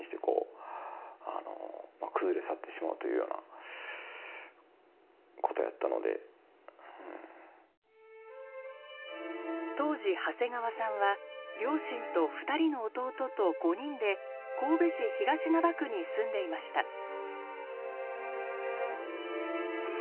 あの本当にそんな当時長谷川さんは両親と２人の弟と５人で神戸市東灘区に住んでいました。